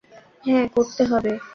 হ্যাঁ, করতে হবে।